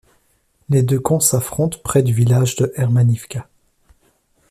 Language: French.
Les deux camps s'affrontent près du village de Hermanivka.